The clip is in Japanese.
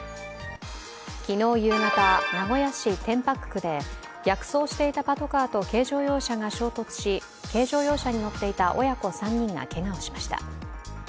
昨日夕方、名古屋市天白区で逆走していたパトカーと軽乗用車が衝突し軽乗用車に乗っていた親子３人がけがをしました。